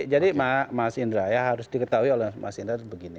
jadi mas indra ya harus diketahui oleh mas indra begini